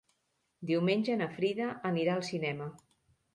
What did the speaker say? Diumenge na Frida anirà al cinema.